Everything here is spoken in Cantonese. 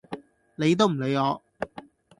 理都唔理我